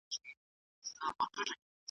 فتح خان د خپلو چلونو له لارې بریا ترلاسه کړه.